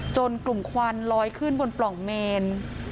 กลุ่มควันลอยขึ้นบนปล่องเมน